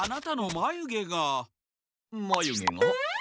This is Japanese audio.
まゆ毛が？